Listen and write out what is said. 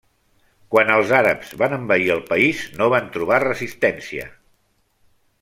Quan els àrabs van envair el país no van trobar resistència.